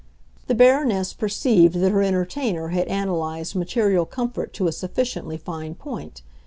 The Baroness perceived that her entertainer had analyzed material comfort to a sufficiently fine point.